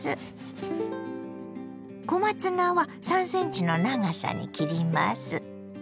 小松菜は３ｃｍの長さに切ります。